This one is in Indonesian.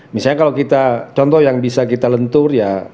misalnya kalau kita contoh yang bisa kita lentur ya